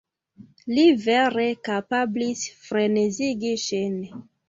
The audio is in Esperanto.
Li vere kapablis frenezigi ŝin.